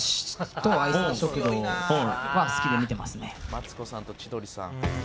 「マツコさんと千鳥さん」